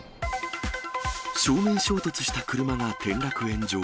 正面衝突した車が転落炎上。